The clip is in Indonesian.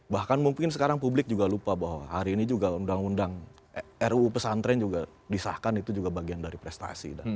bahkan mungkin sekarang publik juga lupa bahwa hari ini juga undang undang ruu pesantren juga disahkan itu juga bagian dari prestasi